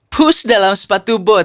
pus dalam sepatu bot